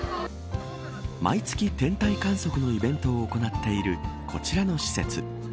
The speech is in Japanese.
毎月、天体観測のイベントを行っているこちらの施設。